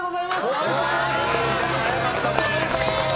おめでとう！